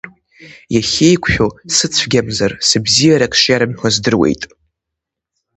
Иахьеиқәшәо сыцәгьамзар сыбзиарак шиарымҳәо здыруеит.